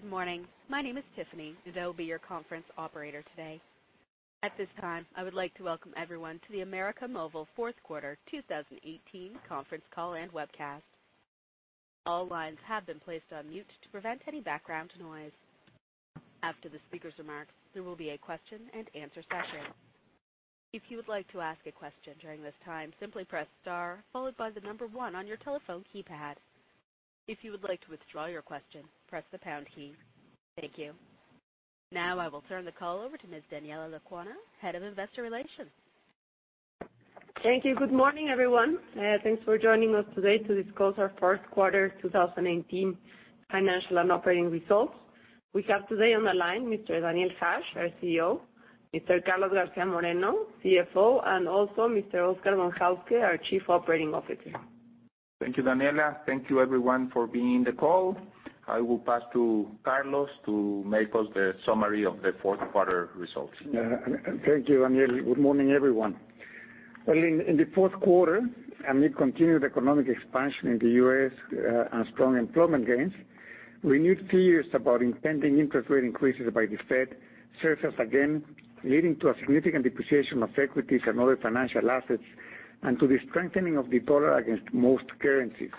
Good morning. My name is Tiffany, and I will be your conference operator today. At this time, I would like to welcome everyone to the América Móvil fourth quarter 2018 conference call and webcast. All lines have been placed on mute to prevent any background noise. After the speaker's remarks, there will be a question-and-answer session. If you would like to ask a question during this time, simply press star followed by the number one on your telephone keypad. If you would like to withdraw your question, press the pound key. Thank you. Now I will turn the call over to Ms. Daniela Lecuona, Head of Investor Relations. Thank you. Good morning, everyone. Thanks for joining us today to discuss our fourth quarter 2018 financial and operating results. We have today on the line Mr. Daniel Hajj, our CEO, Mr. Carlos García Moreno, CFO, and also Mr. Oscar Von Hauske Solís, our Chief Operating Officer. Thank you, Daniela. Thank you everyone for being the call. I will pass to Carlos to make us the summary of the fourth quarter results. Thank you, Daniel. Good morning, everyone. Well, in the fourth quarter, amid continued economic expansion in the U.S. and strong employment gains, renewed fears about impending interest rate increases by the Fed surfaced again, leading to a significant depreciation of equities and other financial assets and to the strengthening of the dollar against most currencies.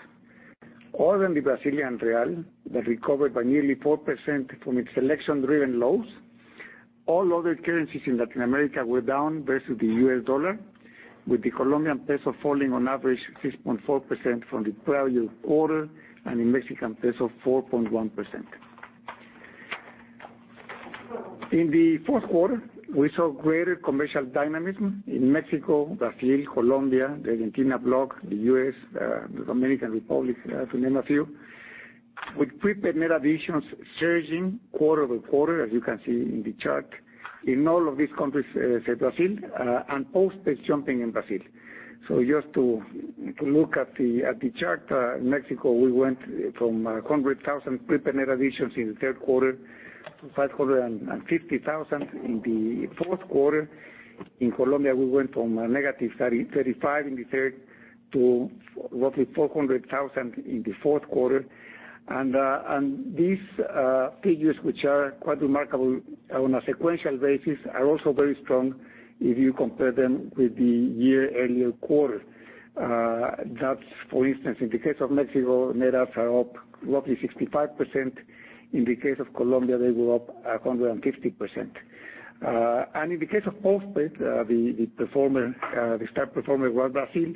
Other than the Brazilian real that recovered by nearly 4% from its election-driven lows, all other currencies in Latin America were down versus the U.S. dollar, with the Colombian peso falling on average 6.4% from the prior quarter, and the Mexican peso 4.1%. In the fourth quarter, we saw greater commercial dynamism in Mexico, Brazil, Colombia, the Argentina block, the U.S., the Dominican Republic, to name a few, with prepaid net additions surging quarter-over-quarter, as you can see in the chart, in all of these countries, save Brazil, and postpaid jumping in Brazil. Just to look at the chart, Mexico, we went from 100,000 prepaid net additions in the third quarter to 550,000 in the fourth quarter. In Colombia, we went from a negative 35 in the third to roughly 400,000 in the fourth quarter. These figures, which are quite remarkable on a sequential basis, are also very strong if you compare them with the year-earlier quarter. That is, for instance, in the case of Mexico, net adds are up roughly 65%. In the case of Colombia, they were up 150%. In the case of postpaid, the star performer was Brazil.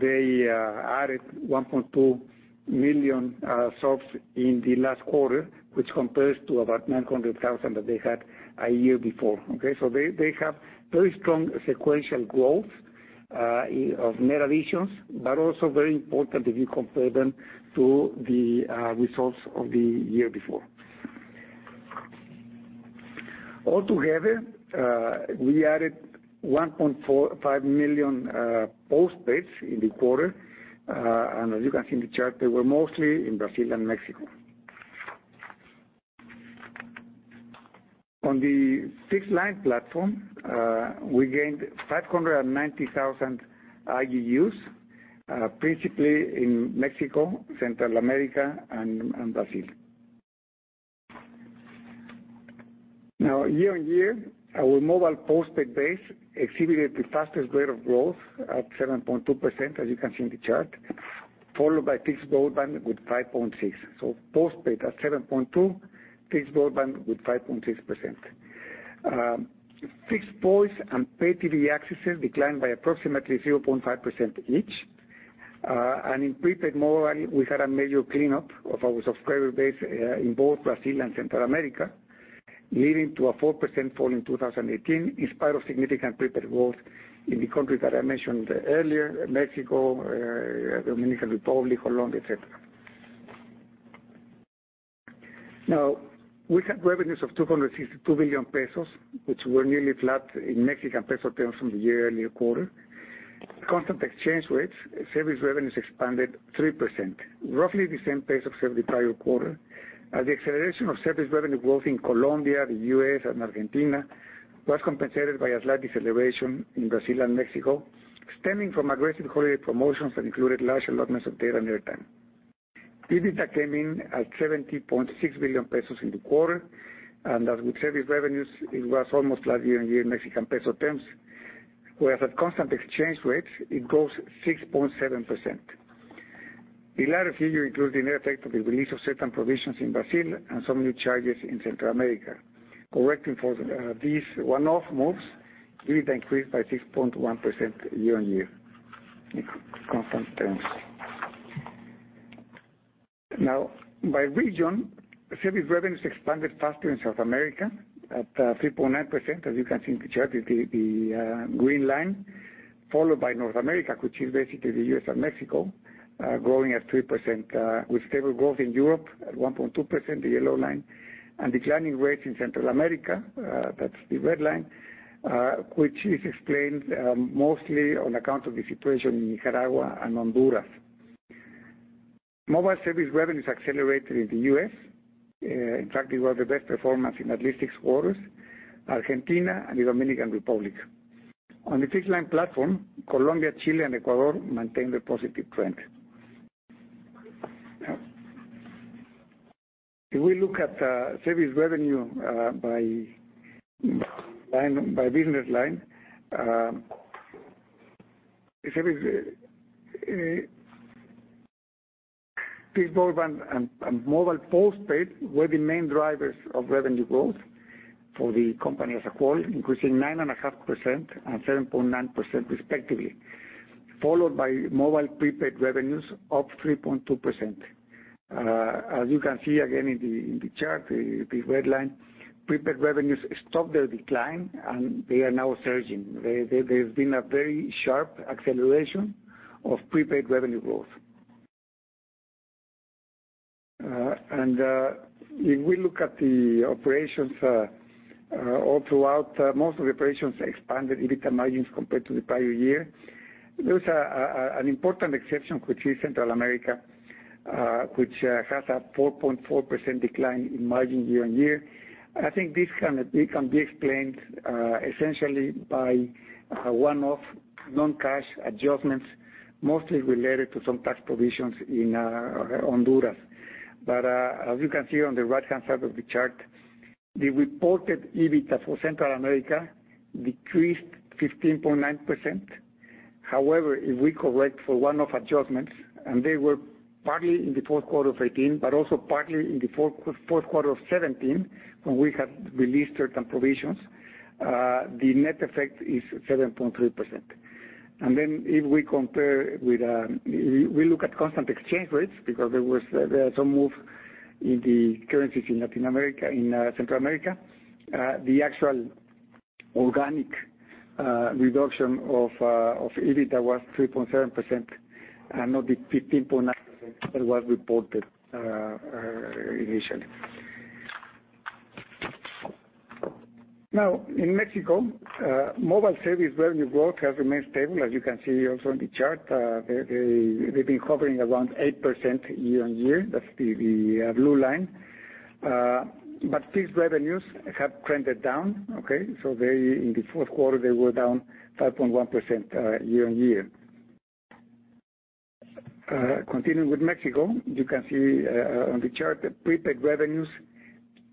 They added 1.2 million subs in the last quarter, which compares to about 900,000 that they had a year before. Okay? They have very strong sequential growth of net additions, but also very important if you compare them to the results of the year before. Altogether, we added 1.5 million postpaids in the quarter. As you can see in the chart, they were mostly in Brazil and Mexico. On the fixed line platform, we gained 590,000 RGUs, principally in Mexico, Central America, and Brazil. Year-on-year, our mobile postpaid base exhibited the fastest rate of growth at 7.2%, as you can see in the chart, followed by fixed broadband with 5.6%. Postpaid at 7.2%, fixed broadband with 5.6%. Fixed voice and paid TV accesses declined by approximately 0.5% each. In prepaid mobile, we had a major cleanup of our subscriber base in both Brazil and Central America, leading to a 4% fall in 2018 in spite of significant prepaid growth in the countries that I mentioned earlier, Mexico, Dominican Republic, Colombia, et cetera. We had revenues of 262 billion pesos, which were nearly flat in MXN terms from the year-earlier quarter. At constant exchange rates, service revenues expanded 3%, roughly the same pace of the prior quarter, as the acceleration of service revenue growth in Colombia, the U.S., and Argentina was compensated by a slight deceleration in Brazil and Mexico, stemming from aggressive holiday promotions that included large allotments of data and airtime. EBITDA came in at 70.6 billion pesos in the quarter. As with service revenues, it was almost flat year-on-year in MXN terms. Whereas at constant exchange rates, it grows 6.7%. The latter figure includes the net effect of the release of certain provisions in Brazil and some new charges in Central America. Correcting for these one-off moves, EBITDA increased by 6.1% year-on-year in constant terms. By region, service revenues expanded faster in South America at 3.9%, as you can see in the chart with the green line, followed by North America, which is basically the U.S. and Mexico, growing at 3%, with stable growth in Europe at 1.2%, the yellow line, and declining rates in Central America, that is the red line, which is explained mostly on account of the situation in Nicaragua and Honduras. Mobile service revenues accelerated in the U.S. In fact, it was the best performance in at least six quarters, Argentina, and the Dominican Republic. On the fixed line platform, Colombia, Chile, and Ecuador maintain the positive trend. If we look at service revenue by business line, fixed broadband and mobile postpaid were the main drivers of revenue growth for the company as a whole, increasing 9.5% and 7.9%, respectively, followed by mobile prepaid revenues up 3.2%. As you can see again in the chart, the red line, prepaid revenues stopped their decline, and they are now surging. There has been a very sharp acceleration of prepaid revenue growth. If we look at the operations all throughout, most of the operations expanded EBITDA margins compared to the prior year. There was an important exception, which is Central America, which has a 4.4% decline in margin year-over-year. I think this can be explained essentially by one-off non-cash adjustments, mostly related to some tax provisions in Honduras. As you can see on the right-hand side of the chart, the reported EBITDA for Central America decreased 15.9%. However, if we correct for one-off adjustments, and they were partly in the fourth quarter of 2018, but also partly in the fourth quarter of 2017, when we had released certain provisions, the net effect is 7.3%. If we look at constant exchange rates, because there was some move in the currencies in Central America, the actual organic reduction of EBITDA was 3.7% and not the 15.9% that was reported initially. In Mexico, mobile service revenue growth has remained stable, as you can see also in the chart. They have been hovering around 8% year-over-year. That is the blue line. Fixed revenues have trended down. In the fourth quarter, they were down 5.1% year-over-year. Continuing with Mexico, you can see on the chart that prepaid revenues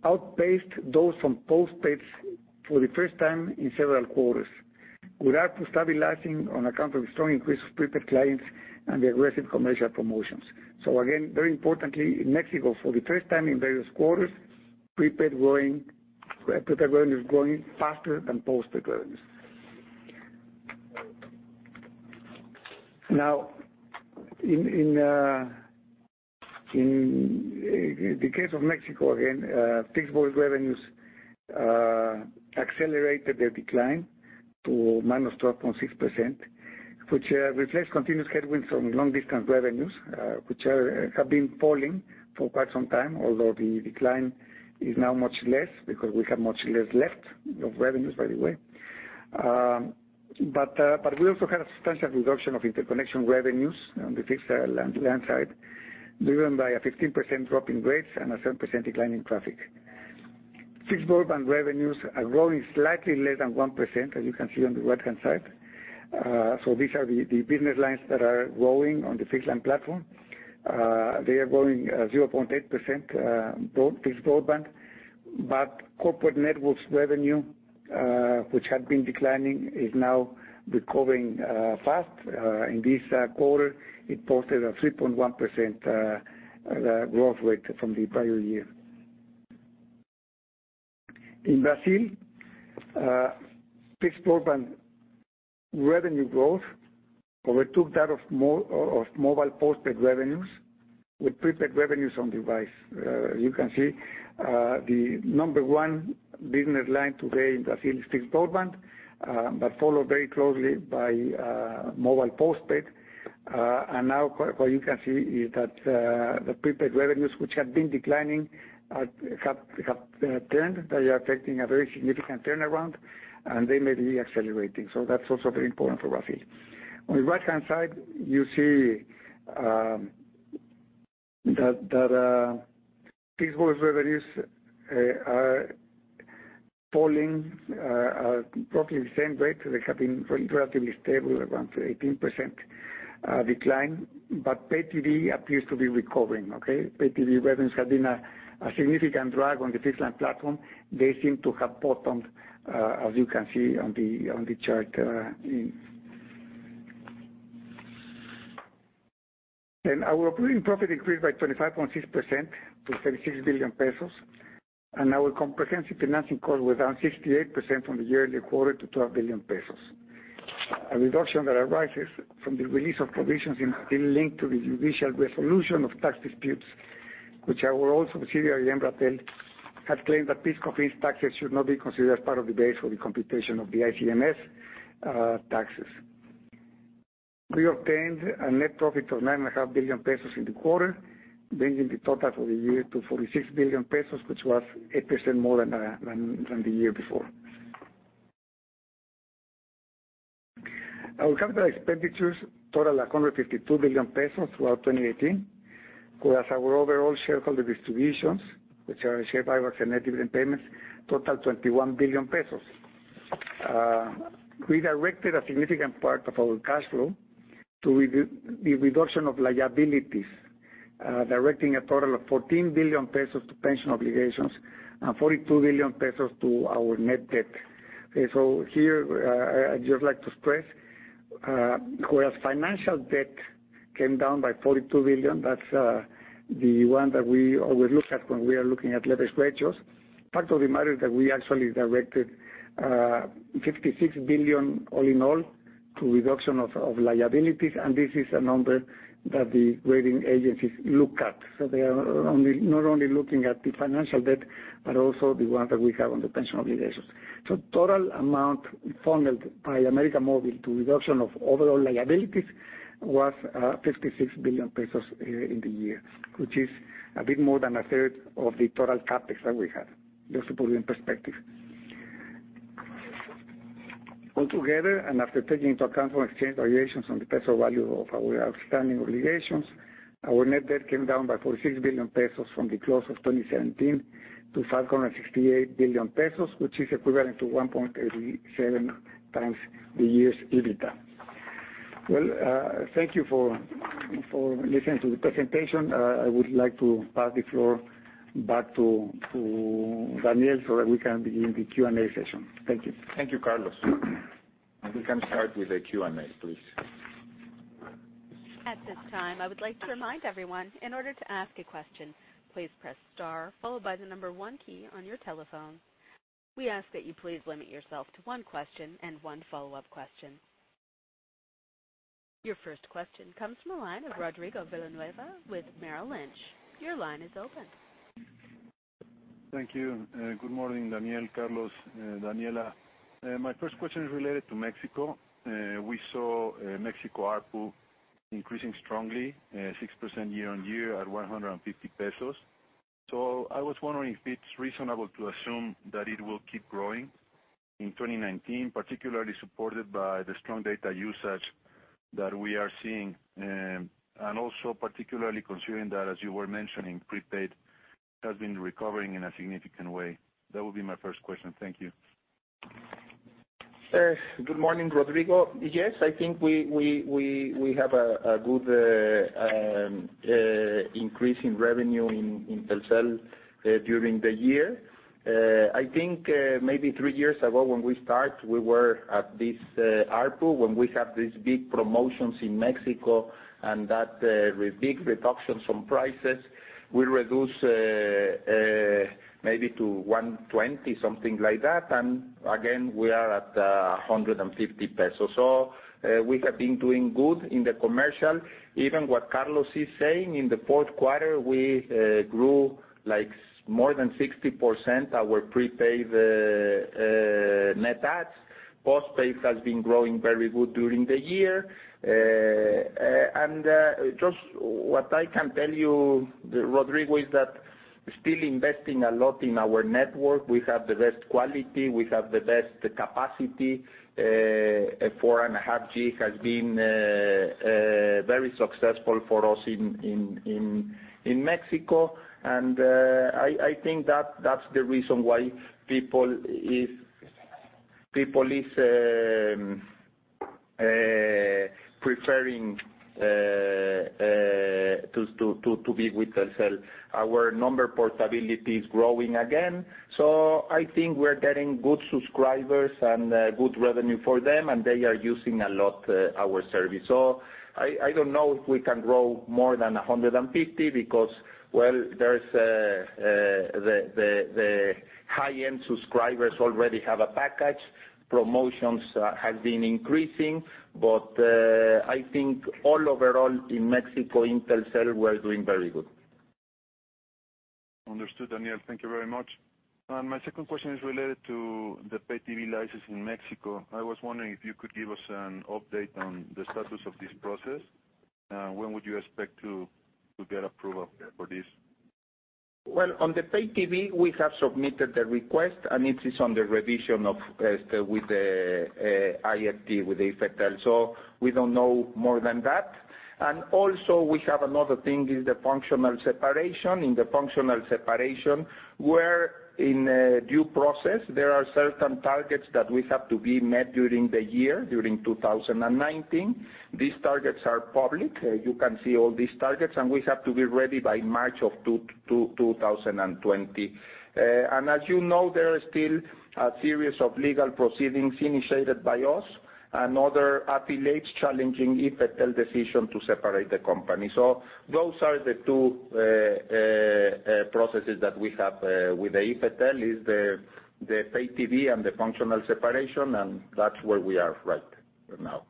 outpaced those from postpaid for the first time in several quarters, without stabilizing on account of the strong increase of prepaid clients and the aggressive commercial promotions. Again, very importantly, in Mexico, for the first time in various quarters, prepaid revenue is growing faster than postpaid revenues. In the case of Mexico, again, fixed voice revenues accelerated their decline to -12.6%, which reflects continuous headwinds from long-distance revenues, which have been falling for quite some time, although the decline is now much less because we have much less left of revenues, by the way. We also had a substantial reduction of interconnection revenues on the fixed-line side, driven by a 15% drop in rates and a 7% decline in traffic. Fixed broadband revenues are growing slightly less than 1%, as you can see on the right-hand side. These are the business lines that are growing on the fixed line platform. They are growing 0.8%, fixed broadband. Corporate networks revenue, which had been declining, is now recovering fast. In this quarter, it posted a 3.1% growth rate from the prior year. In Brazil, fixed broadband revenue growth overtook that of mobile postpaid revenues, with prepaid revenues on device. You can see the number 1 business line today in Brazil is fixed broadband, but followed very closely by mobile postpaid. Now what you can see is that the prepaid revenues, which had been declining, have turned. They are taking a very significant turnaround, and they may be accelerating. That is also very important for Brazil. On the right-hand side, you see that fixed voice revenues are falling at roughly the same rate. They have been relatively stable, around 18% decline. Pay TV appears to be recovering. Pay TV revenues had been a significant drag on the fixed line platform. They seem to have bottomed, as you can see on the chart there. Our operating profit increased by 25.6% to 36 billion pesos, and our comprehensive financing cost was down 68% from the year in the quarter to 12 billion pesos, a reduction that arises from the release of provisions in link to the judicial resolution of tax disputes, which our also subsidiary, Embratel, had claimed that fixed companies' taxes should not be considered as part of the base for the computation of the ICMS taxes. We obtained a net profit of 9.5 billion pesos in the quarter, bringing the total for the year to 46 billion pesos, which was 8% more than the year before. Our capital expenditures totaled 152 billion pesos throughout 2018, whereas our overall shareholder distributions, which are share buybacks and net dividend payments, totaled 21 billion pesos. We directed a significant part of our cash flow to the reduction of liabilities, directing a total of 14 billion pesos to pension obligations and 42 billion pesos to our net debt. Here, I'd just like to stress, whereas financial debt came down by 42 billion, that's the one that we always look at when we are looking at leverage ratios. Part of the matter is that we actually directed 56 billion all in all to reduction of liabilities, this is a number that the rating agencies look at. They are not only looking at the financial debt, but also the one that we have on the pension obligations. Total amount funneled by América Móvil to reduction of overall liabilities was 56 billion pesos in the year, which is a bit more than a third of the total CapEx that we had. Just to put it in perspective. Altogether, after taking into account some exchange variations on the peso value of our outstanding obligations, our net debt came down by 46 billion pesos from the close of 2017 to 568 billion pesos, which is equivalent to 1.87 times the year's EBITDA. Well, thank you for listening to the presentation. I would like to pass the floor back to Daniel so that we can begin the Q&A session. Thank you. Thank you, Carlos. We can start with the Q&A, please. At this time, I would like to remind everyone, in order to ask a question, please press star followed by the number one key on your telephone. We ask that you please limit yourself to one question and one follow-up question. Your first question comes from the line of Rodrigo Villanueva with Merrill Lynch. Your line is open. Thank you. Good morning, Daniel, Carlos, Daniela. My first question is related to Mexico. We saw Mexico ARPU increasing strongly, 6% year-over-year at 150 pesos. I was wondering if it's reasonable to assume that it will keep growing in 2019, particularly supported by the strong data usage that we are seeing, also particularly considering that, as you were mentioning, prepaid has been recovering in a significant way. That would be my first question. Thank you. Good morning, Rodrigo. Yes, I think we have a good increase in revenue in Telcel during the year. I think maybe three years ago when we start, we were at this ARPU when we have these big promotions in Mexico and that big reduction from prices, we reduce maybe to 120, something like that. Again, we are at 150 pesos. We have been doing good in the commercial. Even what Carlos is saying, in the fourth quarter, we grew more than 60% our prepaid net adds. Postpaid has been growing very good during the year. Just what I can tell you, Rodrigo, is that still investing a lot in our network. We have the best quality, we have the best capacity. 4.5G has been very successful for us in Mexico, and I think that's the reason why people is preferring to be with Telcel. Our number portability is growing again, I think we're getting good subscribers and good revenue for them, and they are using a lot our service. I don't know if we can grow more than 150 because, well, the high-end subscribers already have a package. Promotions have been increasing. I think all overall in Mexico in Telcel, we're doing very good. Understood, Daniel. Thank you very much. My second question is related to the pay TV license in Mexico. I was wondering if you could give us an update on the status of this process. When would you expect to get approval for this? Well, on the pay TV, we have submitted the request, and it is under revision with the IFT, with IFETEL. We don't know more than that. Also we have another thing is the functional separation. In the functional separation, we're in due process. There are certain targets that we have to be met during the year, during 2019. These targets are public. You can see all these targets, and we have to be ready by March of 2020. As you know, there is still a series of legal proceedings initiated by us and other affiliates challenging IFETEL decision to separate the company. Those are the two processes that we have with the IFETEL is the pay TV and the functional separation, and that's where we are right now.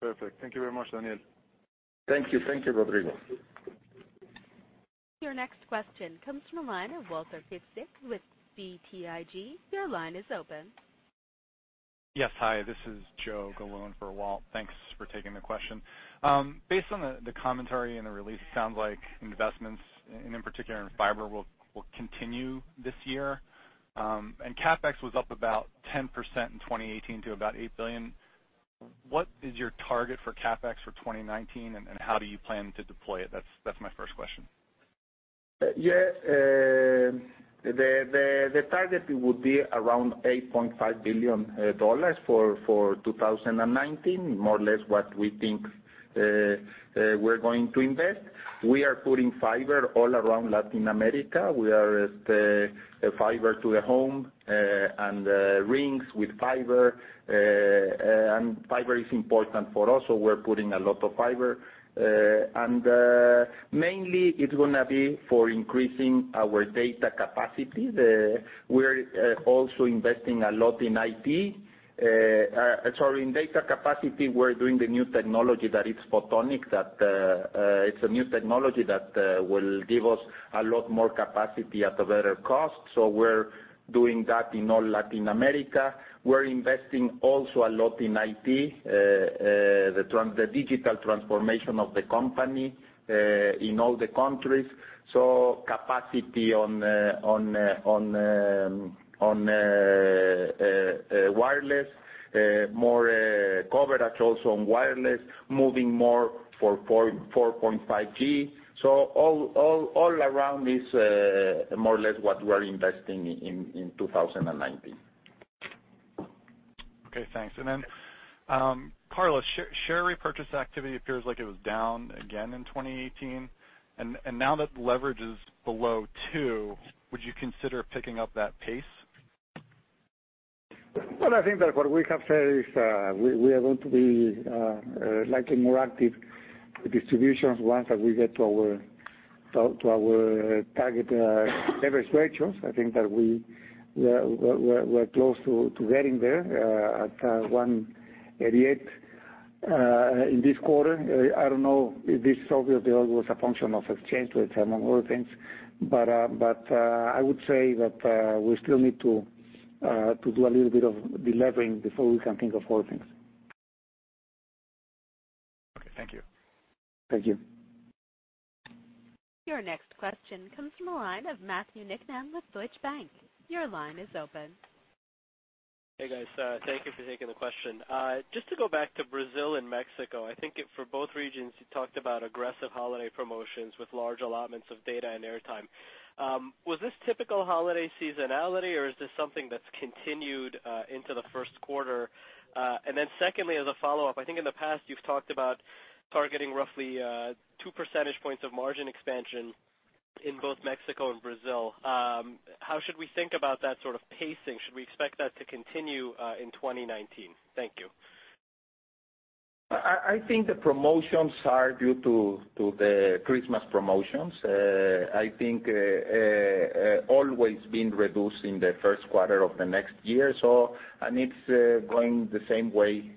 Perfect. Thank you very much, Daniel. Thank you. Thank you, Rodrigo. Your next question comes from the line of Walter Piecyk with BTIG. Your line is open. Yes. Hi, this is Joe Galone for Walt. Thanks for taking the question. Based on the commentary in the release, it sounds like investments and in particular in fiber will continue this year. CapEx was up about 10% in 2018 to about $8 billion. What is your target for CapEx for 2019, how do you plan to deploy it? That's my first question. Yes. The target would be around $8.5 billion for 2019, more or less what we think we're going to invest. We are putting fiber all around Latin America. We are at the fiber to the home and rings with fiber. Fiber is important for us, we're putting a lot of fiber. Mainly, it's going to be for increasing our data capacity. We're also investing a lot in IT. Sorry, in data capacity, we're doing the new technology that is photonic. It's a new technology that will give us a lot more capacity at a better cost. We're doing that in all Latin America. We're investing also a lot in IT, the digital transformation of the company in all the countries. Capacity on wireless, more coverage also on wireless, moving more for 4.5G. All around is more or less what we're investing in 2019. Okay, thanks. Carlos, share repurchase activity appears like it was down again in 2018. Now that leverage is below 2, would you consider picking up that pace? I think that what we have said is we are going to be likely more active with distributions once we get to our target leverage ratios. I think that we're close to getting there at 188 in this quarter. I don't know if this obviously was a function of exchange rates among other things. I would say that we still need to do a little bit of delevering before we can think of other things. Okay, thank you. Thank you. Your next question comes from the line of Matthew Niknam with Deutsche Bank. Your line is open. Hey, guys. Thank you for taking the question. Just to go back to Brazil and Mexico, I think for both regions, you talked about aggressive holiday promotions with large allotments of data and air time. Was this typical holiday seasonality, or is this something that's continued into the first quarter? Secondly, as a follow-up, I think in the past you've talked about targeting roughly two percentage points of margin expansion in both Mexico and Brazil. How should we think about that sort of pacing? Should we expect that to continue in 2019? Thank you. I think the promotions are due to the Christmas promotions. I think always been reduced in the first quarter of the next year, and it's going the same way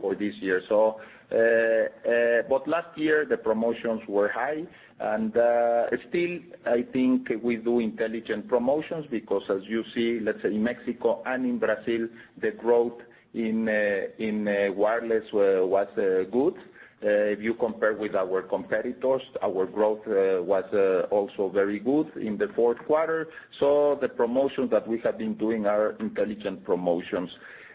for this year. Last year, the promotions were high, and still I think we do intelligent promotions because as you see, let's say in Mexico and in Brazil, the growth in wireless was good. If you compare with our competitors, our growth was also very good in the fourth quarter. The promotions that we have been doing are intelligent promotions.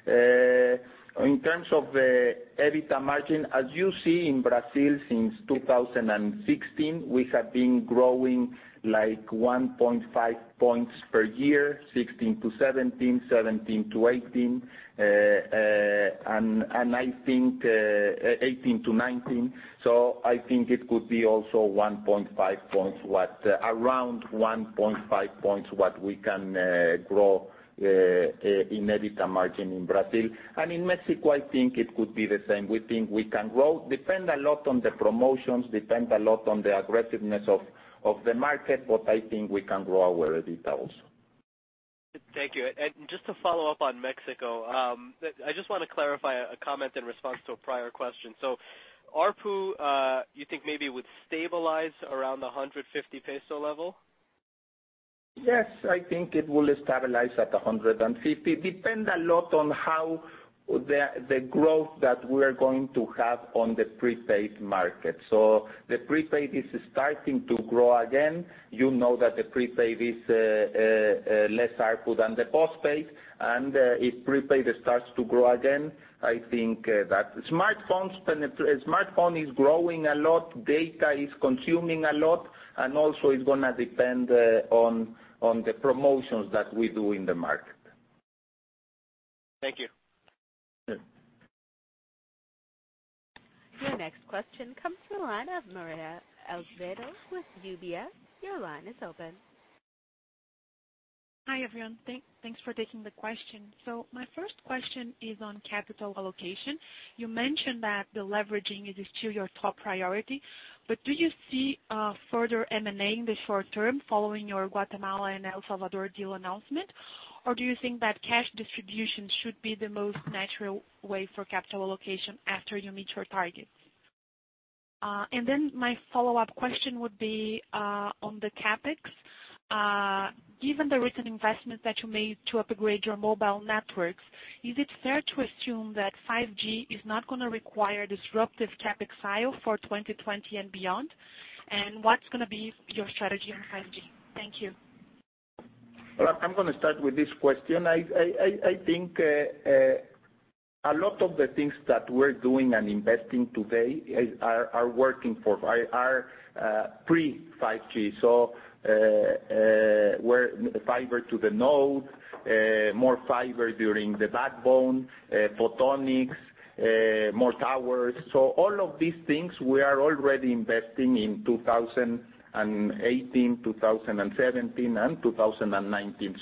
In terms of the EBITDA margin, as you see in Brazil since 2016, we have been growing like 1.5 points per year, 2016 to 2017 to 2018, and I think 2018 to 2019. I think it could be also around 1.5 points what we can grow in EBITDA margin in Brazil. In Mexico, I think it could be the same. We think we can grow. Depend a lot on the promotions, depend a lot on the aggressiveness of the market, but I think we can grow our EBITDA also. Thank you. Just to follow up on Mexico, I just want to clarify a comment in response to a prior question. ARPU, you think maybe would stabilize around the 150 peso level? Yes, I think it will stabilize at 150. It will depend a lot on how the growth that we're going to have on the prepaid market. The prepaid is starting to grow again. You know that the prepaid is less ARPU than the postpaid, and if prepaid starts to grow again, I think that smartphone is growing a lot, data is consuming a lot, and also it's going to depend on the promotions that we do in the market. Thank you. Sure. Your next question comes from the line of Mary Ann Azevedo with UBS. Your line is open. Hi, everyone. Thanks for taking the question. My first question is on capital allocation. You mentioned that deleveraging is still your top priority. Do you see further M&A in the short term following your Guatemala and El Salvador deal announcement? Do you think that cash distribution should be the most natural way for capital allocation after you meet your targets? My follow-up question would be on the CapEx. Given the recent investments that you made to upgrade your mobile networks, is it fair to assume that 5G is not going to require disruptive CapEx for 2020 and beyond? What's going to be your strategy on 5G? Thank you. I'm going to start with this question. I think a lot of the things that we're doing and investing today are working for our pre 5G. Fiber to the node, more fiber during the backbone, photonics, more towers. All of these things we are already investing in 2018, 2017, and 2019.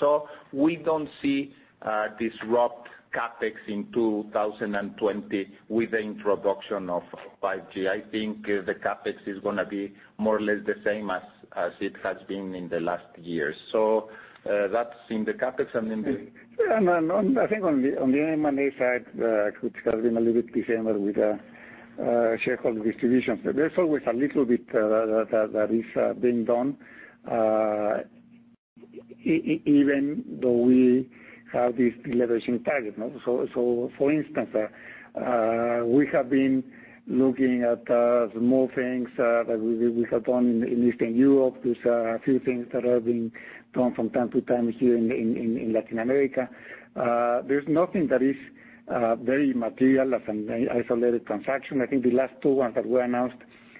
We don't see a disruptive CapEx in 2020 with the introduction of 5G. I think the CapEx is going to be more or less the same as it has been in the last years. That's in the CapEx and in the- I think on the M&A side, which has been a little bit different with shareholder distributions. There's always a little bit that is being done, even though we have this deleveraging target. For instance, we have been looking at small things that we have done in Eastern Europe. There's a few things that are being done from time to time here in Latin America. There's nothing that is very material as an isolated transaction. I think the last two ones that were announced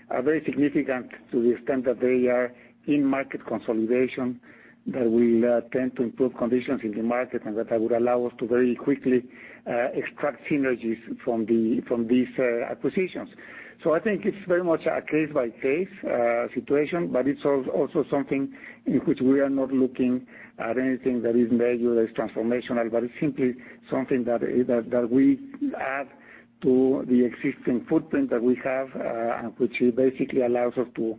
are very significant to the extent that they are in-market consolidation that will tend to improve conditions in the market, and that would allow us to very quickly extract synergies from these acquisitions. I think it's very much a case-by-case situation, but it's also something in which we are not looking at anything that is major, that's transformational, but it's simply something that we add to the existing footprint that we have, which basically allows us to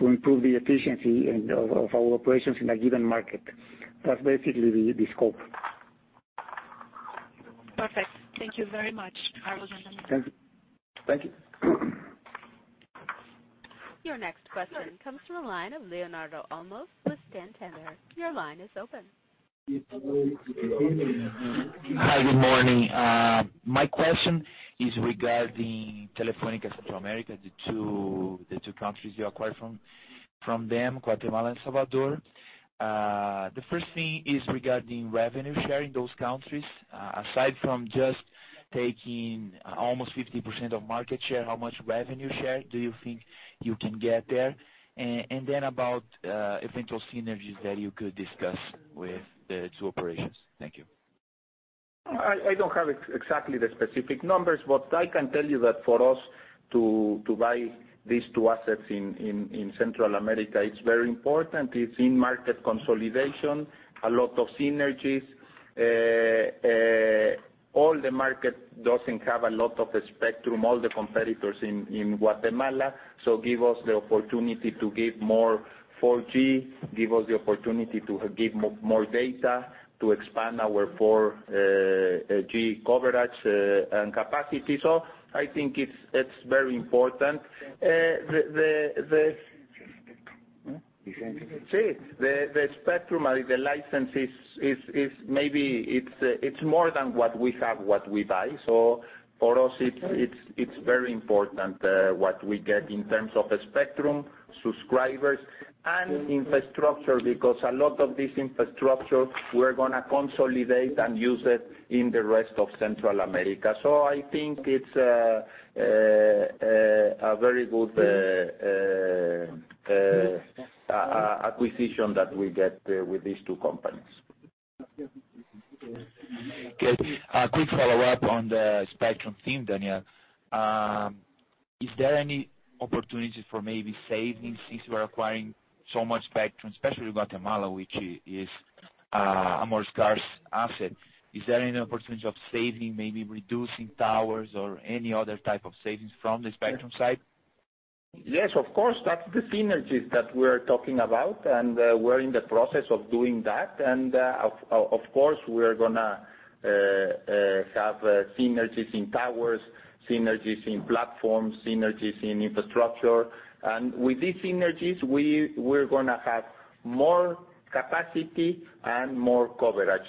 improve the efficiency of our operations in a given market. That's basically the scope. Perfect. Thank you very much, Carlos and Daniel. Thank you. Thank you. Your next question comes from the line of Leonardo Olmos with Santander. Your line is open. Hi, good morning. My question is regarding Telefónica Central America, the two countries you acquired from them, Guatemala and El Salvador. The first thing is regarding revenue share in those countries. Aside from just taking almost 50% of market share, how much revenue share do you think you can get there? About eventual synergies that you could discuss with the two operations. Thank you. I don't have exactly the specific numbers, but I can tell you that for us to buy these two assets in Central America, it's very important. It's in-market consolidation, a lot of synergies. All the market doesn't have a lot of spectrum, all the competitors in Guatemala. Give us the opportunity to give more 4G, give us the opportunity to give more data, to expand our 4G coverage and capacity. I think it's very important. The spectrum, the license, maybe it's more than what we have, what we buy. For us, it's very important what we get in terms of spectrum, subscribers, and infrastructure, because a lot of this infrastructure, we're going to consolidate and use it in the rest of Central America. I think it's a very good acquisition that we get with these two companies. Okay. A quick follow-up on the spectrum theme, Daniel. Is there any opportunity for maybe savings since we're acquiring so much spectrum, especially Guatemala, which is a more scarce asset? Is there any opportunity of saving, maybe reducing towers or any other type of savings from the spectrum side? Yes, of course. That's the synergies that we're talking about, and we're in the process of doing that. Of course, we're going to have synergies in towers, synergies in platforms, synergies in infrastructure. With these synergies, we're going to have more capacity and more coverage.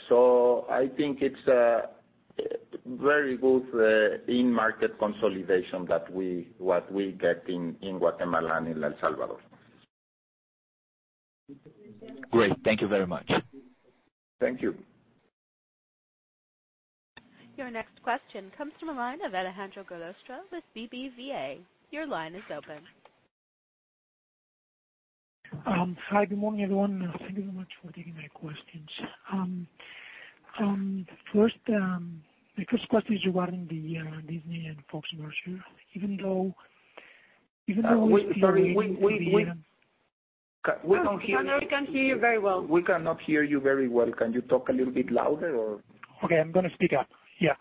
I think it's a very good in-market consolidation that we get in Guatemala and in El Salvador. Great. Thank you very much. Thank you. Your next question comes from the line of Alejandro Gallostra with BBVA. Your line is open. Hi, good morning, everyone. Thank you very much for taking my questions. The first question is regarding the Disney and Fox merger. Sorry. We don't hear you. Alejandro, we can't hear you very well. We cannot hear you very well. Can you talk a little bit louder, or? Okay. I'm going to speak up. Yeah.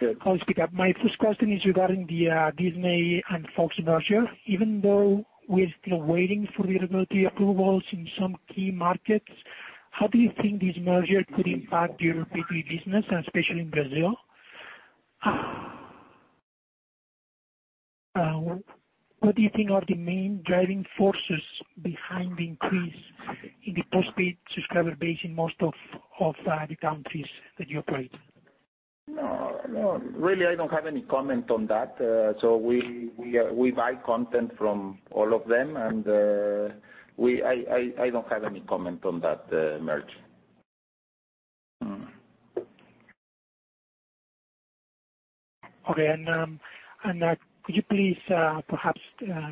Good. I'll speak up. My first question is regarding the Disney and Fox merger. Even though we're still waiting for the regulatory approvals in some key markets, how do you think this merger could impact your pay TV business, and especially in Brazil? What do you think are the main driving forces behind the increase in the postpaid subscriber base in most of the countries that you operate? No, really, I don't have any comment on that. We buy content from all of them, I don't have any comment on that merger. Okay. Could you please, perhaps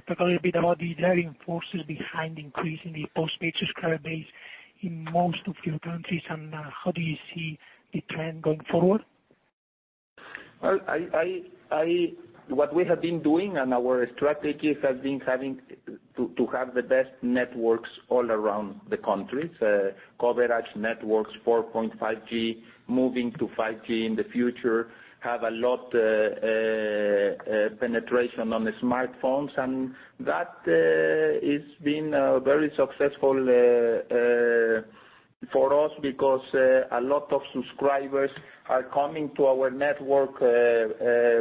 talk a little bit about the driving forces behind increasing the postpaid subscriber base in most of your countries, and how do you see the trend going forward? Well, what we have been doing and our strategies have been to have the best networks all around the countries. Coverage networks, 4.5G, moving to 5G in the future, have a lot penetration on the smartphones. That has been very successful for us because a lot of subscribers are coming to our network.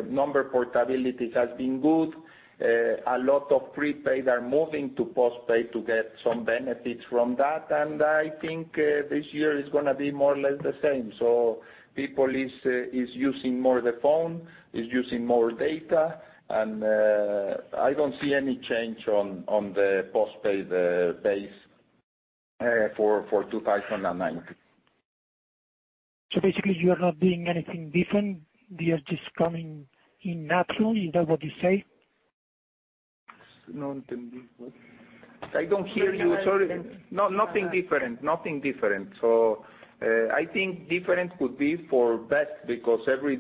Number portability has been good. A lot of prepaid are moving to postpaid to get some benefits from that. I think this year is going to be more or less the same. People is using more the phone, is using more data, and I don't see any change on the postpaid base for 2019. Basically, you are not doing anything different. They are just coming in naturally. Is that what you say? I don't hear you. Sorry. No, nothing different. I think different could be for best because every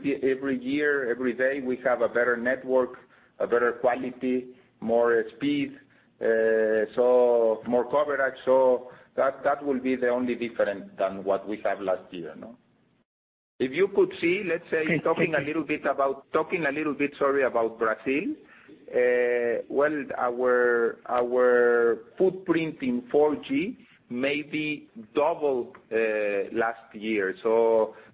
year, every day, we have a better network, a better quality, more speed, more coverage. That will be the only difference than what we have last year. If you could see, let's say, talking a little bit, sorry, about Brazil. Well, our footprint in 4G maybe doubled last year.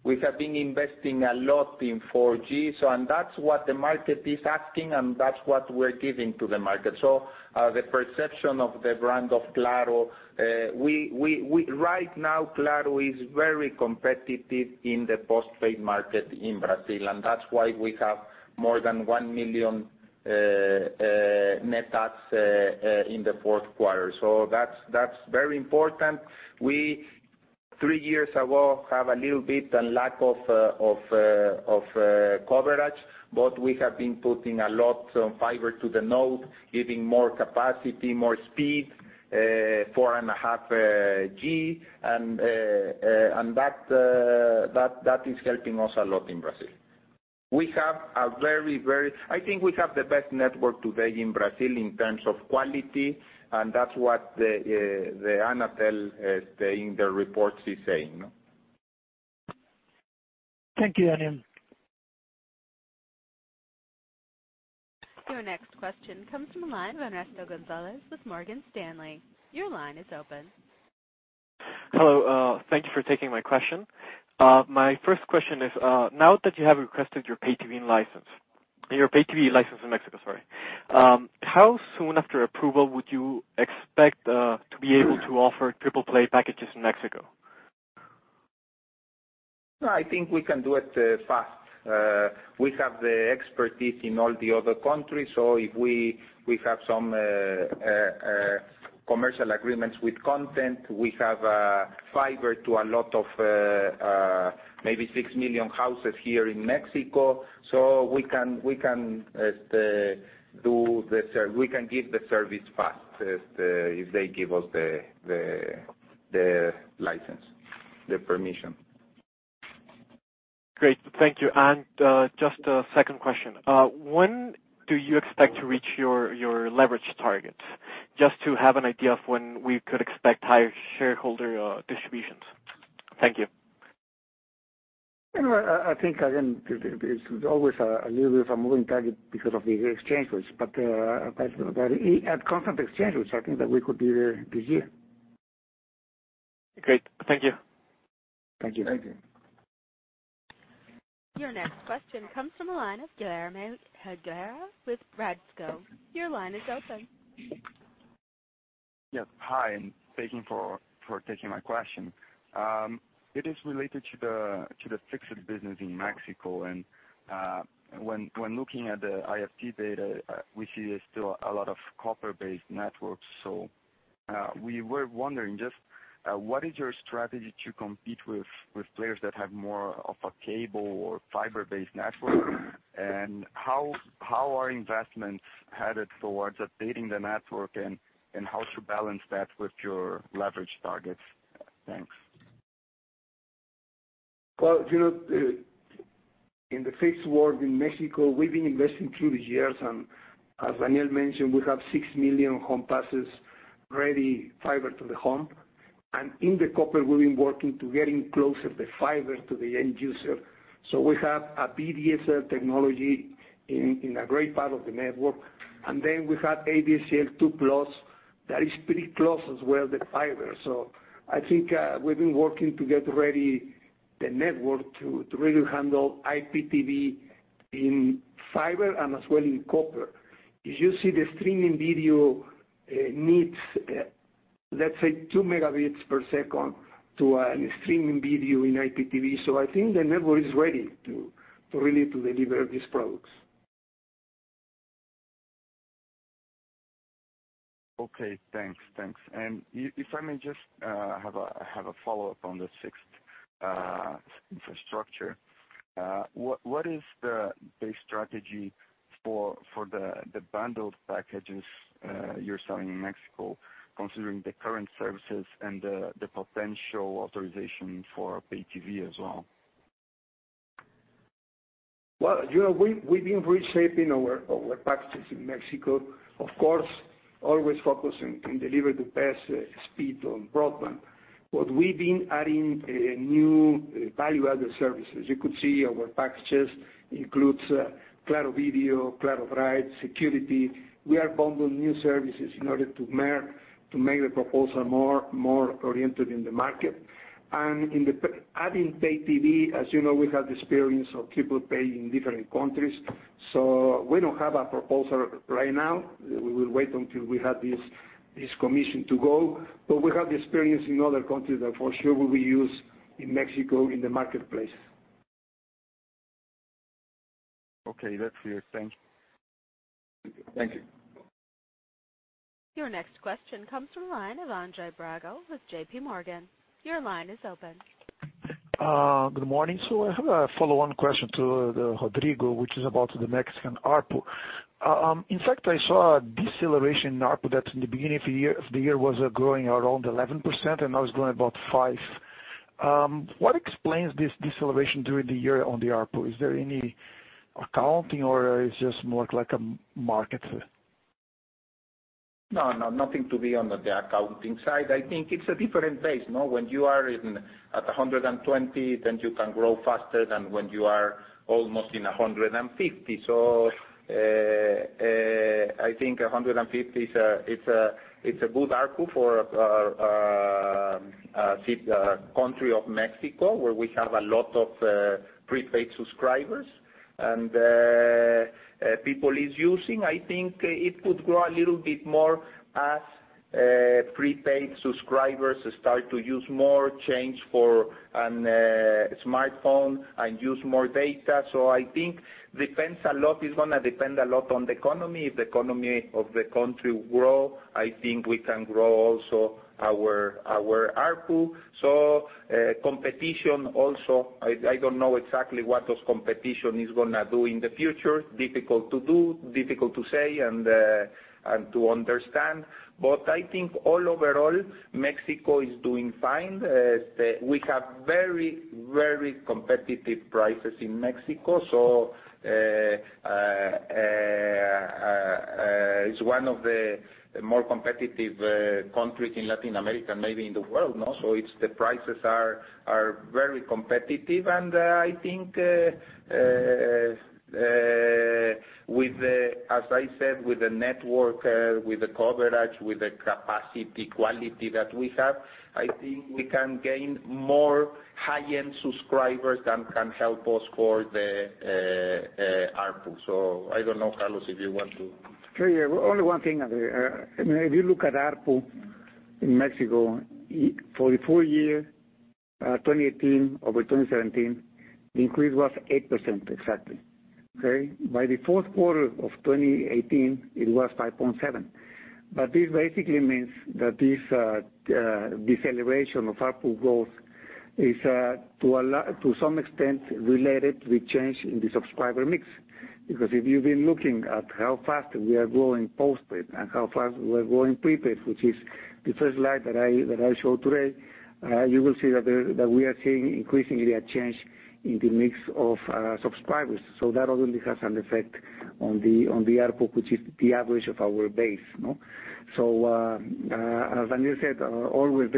We have been investing a lot in 4G, and that's what the market is asking, and that's what we're giving to the market. The perception of the brand of Claro, right now, Claro is very competitive in the postpaid market in Brazil, and that's why we have more than 1 million net adds in the fourth quarter. That's very important. We, three years ago, have a little bit lack of coverage, we have been putting a lot fiber to the node, giving more capacity, more speed, 4.5G, and that is helping us a lot in Brazil. I think we have the best network today in Brazil in terms of quality, and that's what the Anatel in the reports is saying. Thank you, Daniel. Your next question comes from the line of Ernesto Gonzalez with Morgan Stanley. Your line is open. Hello. Thank you for taking my question. My first question is, now that you have requested your pay TV license in Mexico, how soon after approval would you expect to be able to offer triple play packages in Mexico? I think we can do it fast. We have the expertise in all the other countries. If we have some commercial agreements with content. We have fiber to a lot of maybe 6 million houses here in Mexico. We can give the service fast if they give us the license, the permission. Great. Thank you. Just a second question. When do you expect to reach your leverage target? Just to have an idea of when we could expect higher shareholder distributions. Thank you. I think, again, it's always a little bit of a moving target because of the exchange rates, but at constant exchange rates, I think that we could be there this year. Great. Thank you. Thank you. Your next question comes from the line of [Guilherme Paes] with Bradesco. Your line is open. Yes. Hi, and thank you for taking my question. It is related to the fixed business in Mexico. When looking at the IFT data, we see there's still a lot of copper-based networks. We were wondering just what is your strategy to compete with players that have more of a cable or fiber-based network, and how are investments headed towards updating the network and how to balance that with your leverage targets? Thanks. Well, in the fixed world in Mexico, we've been investing through the years, and as Daniel mentioned, we have 6 million home passes, ready fiber to the home. In the copper, we've been working to getting closer the fiber to the end user. We have a VDSL technology in a great part of the network. Then we have ADSL2+, that is pretty close as well, the fiber. I think we've been working to get ready the network to really handle IPTV in fiber and as well in copper. As you see, the streaming video needs, let's say two megabits per second to a streaming video in IPTV. I think the network is ready to really deliver these products. Okay. Thanks. If I may just have a follow-up on the fixed infrastructure. What is the base strategy for the bundled packages you're selling in Mexico, considering the current services and the potential authorization for pay TV as well? Well, we've been reshaping our packages in Mexico. Of course, always focusing in deliver the best speed on broadband. We've been adding new value-added services. You could see our packages includes Claro video, Claro drive, Security. We are bundling new services in order to make the proposal more oriented in the market. In the adding pay TV, as you know, we have the experience of Claro Pay in different countries. We don't have a proposal right now. We will wait until we have this commission to go. We have the experience in other countries that for sure we will use in Mexico in the marketplace. Okay, that's clear. Thank you. Thank you. Your next question comes from the line of Andre Baggio with JP Morgan. Your line is open. Good morning. I have a follow-on question to Rodrigo, which is about the Mexican ARPU. In fact, I saw a deceleration in ARPU that in the beginning of the year was growing around 11%, and now it's growing about 5%. What explains this deceleration during the year on the ARPU? Is there any accounting or it's just more like a market? No, nothing to be on the accounting side. I think it's a different base. When you are at 120, you can grow faster than when you are almost in 150. I think 150 is a good ARPU for a country of Mexico where we have a lot of prepaid subscribers, and people is using. I think it could grow a little bit more as prepaid subscribers start to use more change for a smartphone and use more data. I think it's going to depend a lot on the economy. If the economy of the country grow, I think we can grow also our ARPU. Competition also, I don't know exactly what those competition is going to do in the future. Difficult to do, difficult to say, and to understand. I think all overall, Mexico is doing fine. We have very competitive prices in Mexico. It's one of the more competitive countries in Latin America, maybe in the world. The prices are very competitive, and I think as I said, with the network, with the coverage, with the capacity quality that we have, I think we can gain more high-end subscribers that can help us grow the ARPU. I don't know, Carlos, if you want to. Sure, yeah. Only one thing. If you look at ARPU in Mexico, for the full year 2018 over 2017, the increase was 8% exactly. Okay? By the fourth quarter of 2018, it was 5.7%. This basically means that this deceleration of ARPU growth is to some extent related with change in the subscriber mix. Because if you've been looking at how fast we are growing postpaid and how fast we are growing prepaid, which is the first slide that I showed today, you will see that we are seeing increasingly a change in the mix of subscribers. That already has an effect on the ARPU, which is the average of our base. As Daniel said, always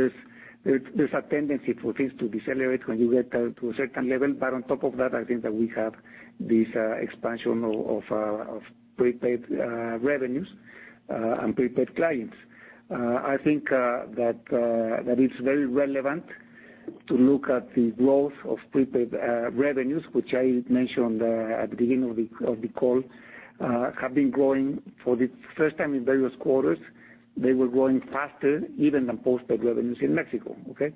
there's a tendency for things to decelerate when you get to a certain level. On top of that, I think that we have this expansion of prepaid revenues and prepaid clients. I think that it's very relevant to look at the growth of prepaid revenues, which I mentioned at the beginning of the call, have been growing for the first time in various quarters. They were growing faster even than postpaid revenues in Mexico. Okay.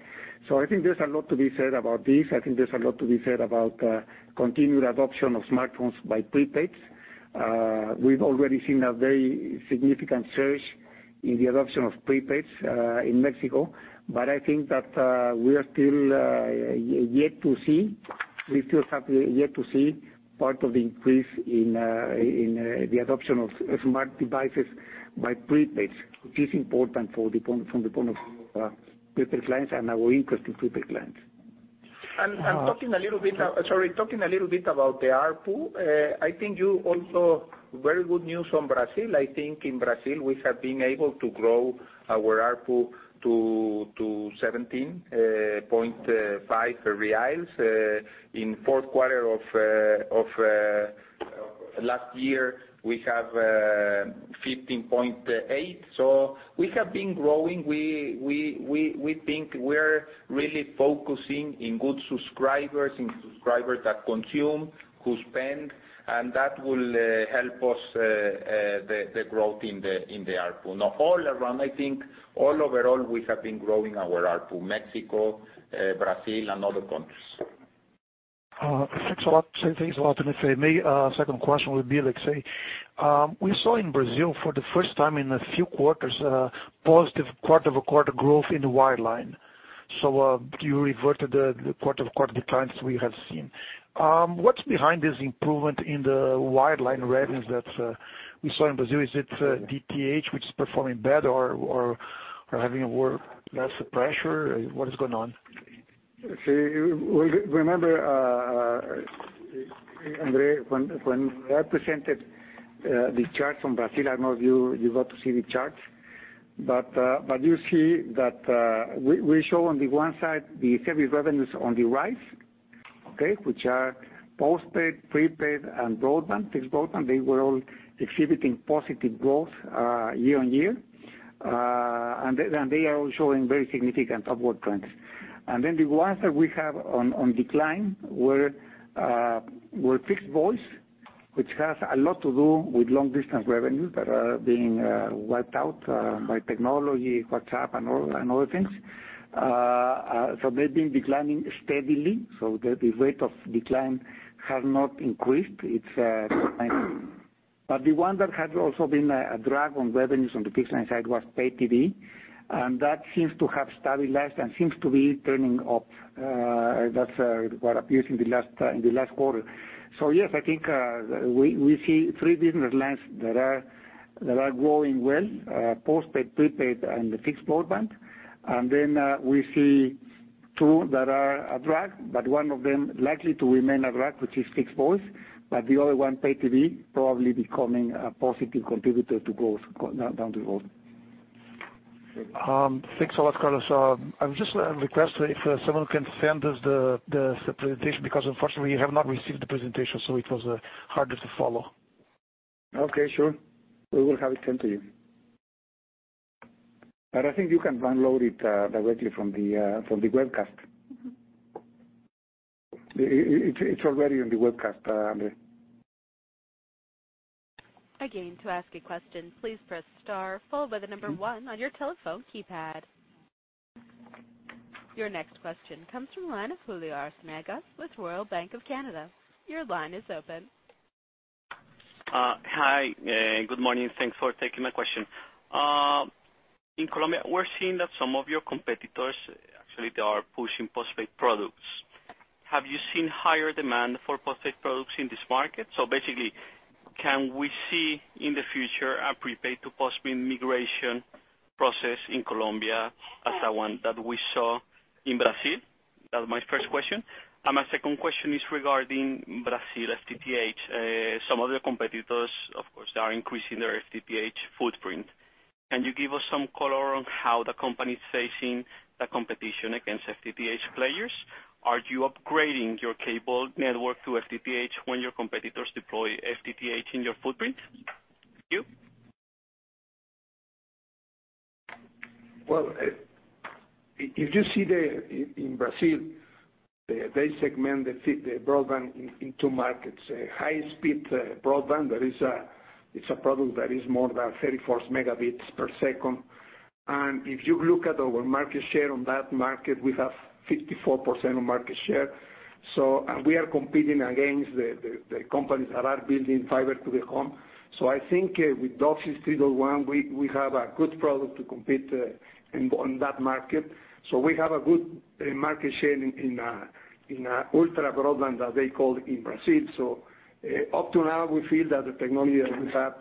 I think there's a lot to be said about this. I think there's a lot to be said about continued adoption of smartphones by prepaids. We've already seen a very significant surge in the adoption of prepaids in Mexico, but I think that we still have yet to see part of the increase in the adoption of smart devices by prepaids, which is important from the point of prepaid clients and our interest in prepaid clients. Talking a little bit about the ARPU, I think you also very good news from Brazil. I think in Brazil, we have been able to grow our ARPU to 17.5 reais. In fourth quarter of last year, we have 15.8 BRL. We have been growing. We think we're really focusing in good subscribers, in subscribers that consume, who spend, and that will help us the growth in the ARPU. All around, I think all overall, we have been growing our ARPU, Mexico, Brazil, and other countries. Thanks a lot. Thanks a lot. Second question would be. We saw in Brazil for the first time in a few quarters, a positive quarter-over-quarter growth in the wireline. You reverted the quarter-over-quarter declines we have seen. What's behind this improvement in the wireline revenues that we saw in Brazil? Is it FTTH which is performing better or are having a lot less pressure? What is going on? Okay. Remember, Andre, when I presented the charts from Brazil, I know you got to see the charts. You see that we show on the one side the service revenues on the rise. Okay. Which are postpaid, prepaid, and broadband, fixed broadband. They were all exhibiting positive growth year-on-year. They are all showing very significant upward trends. The ones that we have on decline were fixed voice, which has a lot to do with long-distance revenues that are being wiped out by technology, WhatsApp, and all the things. They've been declining steadily, so the rate of decline has not increased. The one that had also been a drag on revenues on the fixed line side was pay TV, and that seems to have stabilized and seems to be turning up. That's what appears in the last quarter. Yes, I think we see three business lines that are growing well, postpaid, prepaid, and the fixed broadband. Then we see two that are a drag, one of them likely to remain a drag, which is fixed voice. The other one, pay TV, probably becoming a positive contributor to growth down the road. Thanks a lot, Carlos. I would just request if someone can send us the presentation. Unfortunately, we have not received the presentation. It was harder to follow. Okay, sure. We will have it sent to you. I think you can download it directly from the webcast. It's already on the webcast, Andre. Again, to ask a question, please press star followed by the number one on your telephone keypad. Your next question comes from the line of Julio Arciniega with Royal Bank of Canada. Your line is open. Hi, good morning. Thanks for taking my question. In Colombia, we're seeing that some of your competitors, actually, they are pushing postpaid products. Have you seen higher demand for postpaid products in this market? Basically, can we see in the future a prepaid to postpaid migration process in Colombia as the one that we saw in Brazil? That's my first question. My second question is regarding Brazil FTTH. Some of the competitors, of course, are increasing their FTTH footprint. Can you give us some color on how the company's facing the competition against FTTH players? Are you upgrading your cable network to FTTH when your competitors deploy FTTH in your footprint? Thank you. Well, if you see in Brazil, they segment the broadband in two markets. High-speed broadband, it's a product that is more than 34 megabits per second. If you look at our market share on that market, we have 54% of market share. We are competing against the companies that are building fiber to the home. I think with DOCSIS 3.1, we have a good product to compete on that market. We have a good market share in ultra broadband, as they call it in Brazil. Up to now, we feel that the technology that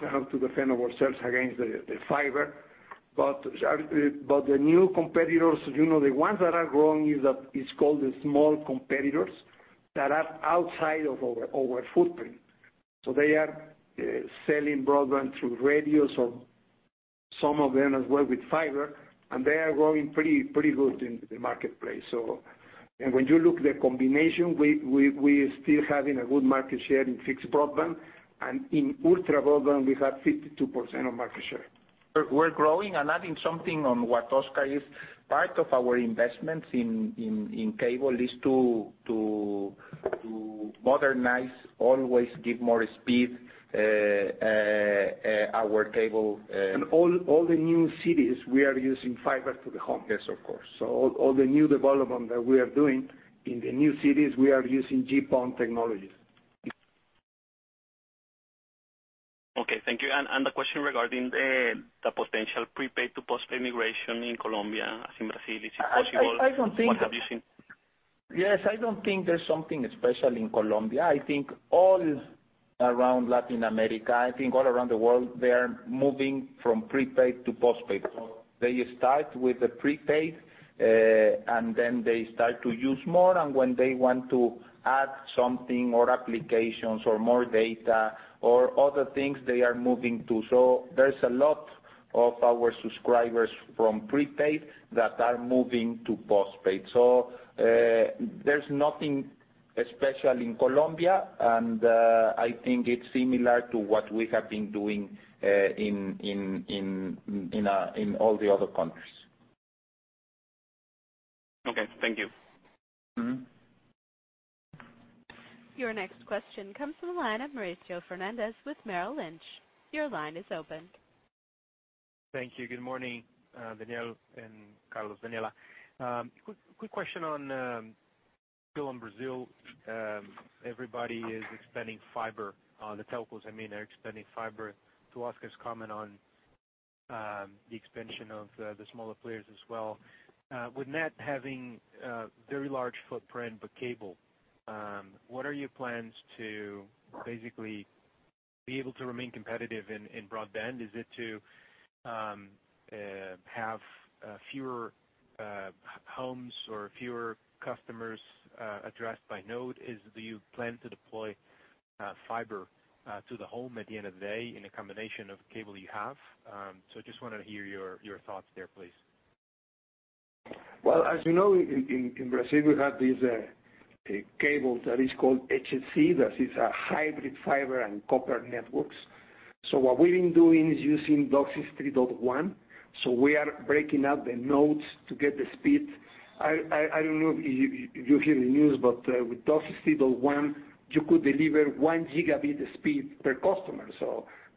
we have to defend ourselves against the fiber. The new competitors, the ones that are growing is called the small competitors that are outside of our footprint. They are selling broadband through radios or some of them as well with fiber, and they are growing pretty good in the marketplace. When you look at the combination, we're still having a good market share in fixed broadband, and in ultra broadband, we have 52% of market share. We're growing. Adding something on what Oscar is, part of our investments in cable is to modernize, always give more speed our cable. All the new cities, we are using fiber to the home. Yes, of course. All the new development that we are doing in the new cities, we are using GPON technologies. Okay. Thank you. The question regarding the potential prepaid to postpaid migration in Colombia, as in Brazil, is it possible? I don't think- What have you seen? Yes, I don't think there's something special in Colombia. I think all around Latin America, I think all around the world, they are moving from prepaid to postpaid. They start with the prepaid, and then they start to use more, and when they want to add something or applications or more data or other things, they are moving, too. There's a lot of our subscribers from prepaid that are moving to postpaid. There's nothing special in Colombia, and I think it's similar to what we have been doing in all the other countries. Okay. Thank you. Your next question comes from the line of Mauricio Fernandez with Merrill Lynch. Your line is open. Thank you. Good morning, Daniel and Carlos, Daniela. Quick question on Brazil. Everybody is expanding fiber. The telcos, I mean, are expanding fiber. To Oscar's comment on the expansion of the smaller players as well. With Net having a very large footprint but cable, what are your plans to basically be able to remain competitive in broadband? Is it to have fewer homes or fewer customers addressed by node? Do you plan to deploy fiber to the home at the end of the day in a combination of cable you have? Just want to hear your thoughts there, please. Well, as you know, in Brazil, we have these cables that is called HFC. That is a hybrid fiber and copper networks. What we've been doing is using DOCSIS 3.1. We are breaking up the nodes to get the speed. I don't know if you hear the news, but with DOCSIS 3.1, you could deliver one gigabit speed per customer.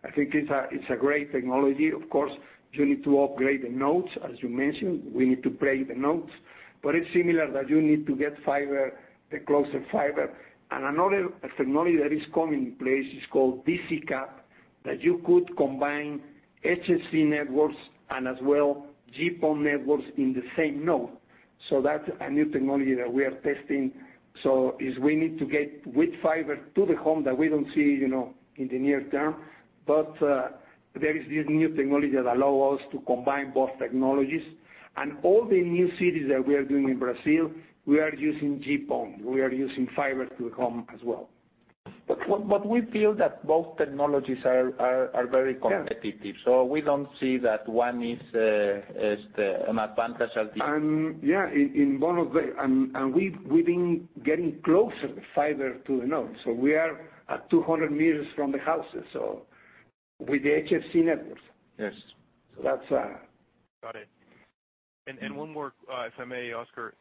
I think it's a great technology. Of course, you need to upgrade the nodes, as you mentioned. We need to upgrade the nodes. It's similar that you need to get fiber, the closer fiber. Another technology that is coming in place is called D-CCAP, that you could combine HFC networks and as well GPON networks in the same node. That's a new technology that we are testing. If we need to get with fiber to the home that we don't see in the near term. There is this new technology that allow us to combine both technologies. All the new cities that we are doing in Brazil, we are using GPON. We are using fiber to the home as well. We feel that both technologies are very competitive. Yeah. We don't see that one is an advantage of the other. Yeah, and we've been getting closer the fiber to the node. We are at 200 meters from the houses, so with the HFC networks. Yes. That's Got it. One more, if I may, Oscar,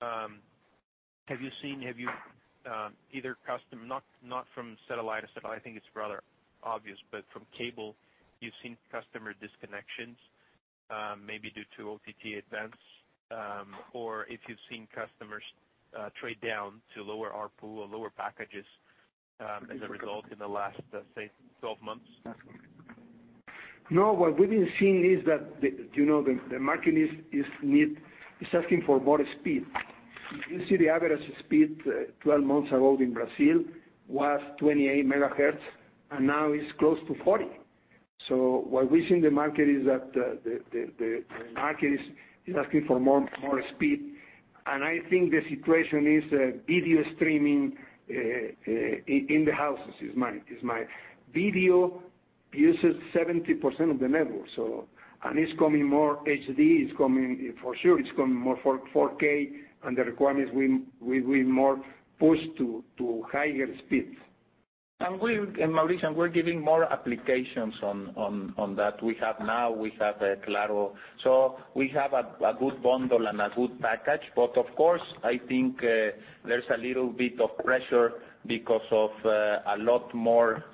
have you seen, either custom, not from satellite, I think it's rather obvious, but from cable, you've seen customer disconnections maybe due to OTT events? Or if you've seen customers trade down to lower ARPU or lower packages as a result in the last, say, 12 months? No, what we've been seeing is that the market is asking for more speed. If you see the average speed 12 months ago in Brazil was 28 Mb, and now it's close to 40. What we see in the market is that the market is asking for more speed. I think the situation is Video uses 70% of the network. It's coming more HD. It's coming, for sure, it's coming more 4K, and the requirements will be more pushed to higher speeds. We, and Mauricio, we're giving more applications on that. We have now, we have Claro. We have a good bundle and a good package. Of course, I think there's a little bit of pressure because of a lot more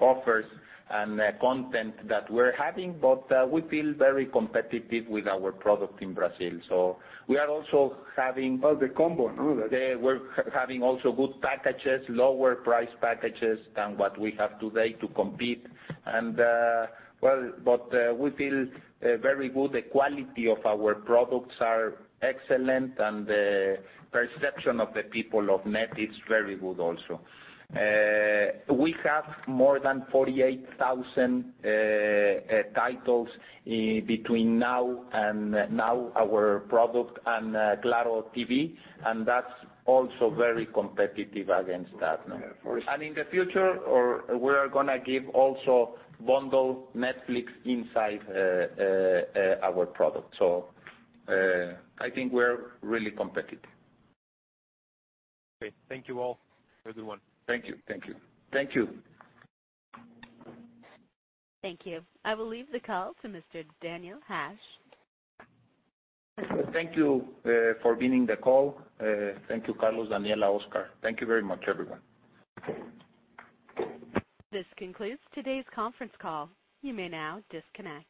offers and content that we're having, but we feel very competitive with our product in Brazil. The combo, no? We're having also good packages, lower price packages than what we have today to compete. We feel very good. The quality of our products are excellent, and the perception of the people of Net is very good also. We have more than 48,000 titles between now our product and Claro TV, and that's also very competitive against that. Yeah, of course. In the future, we are going to give also bundle Netflix inside our product. I think we're really competitive. Okay. Thank you all. Have a good one. Thank you. Thank you. Thank you. Thank you. I will leave the call to Mr. Daniel Hajj. Thank you for being in the call. Thank you, Carlos, Daniela, Oscar. Thank you very much, everyone. This concludes today's conference call. You may now disconnect.